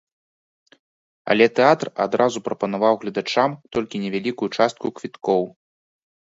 Але тэатр адразу прапанаваў гледачам толькі невялікую частку квіткоў.